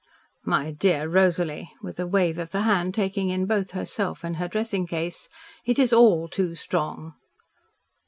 "My dear Rosalie," with a wave of the hand taking in both herself and her dressing case, "it is all too strong."